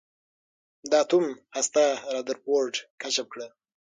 د اتوم هسته رادرفورډ کشف کړه.